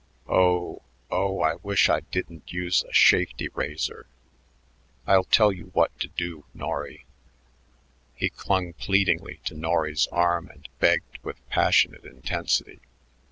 Oh, oh, I wish I didn't use a shafety razor. I'll tell you what to do, Norry." He clung pleadingly to Norry's arm and begged with passionate intensity.